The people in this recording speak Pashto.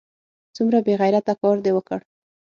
څومره بې غیرته کار دې وکړ!